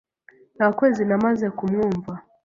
Nta kwezi namaze kumwumva.